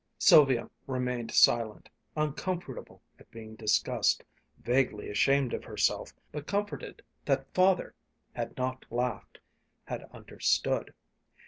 Sylvia remained silent, uncomfortable at being discussed, vaguely ashamed of herself, but comforted that Father had not laughed, had understood.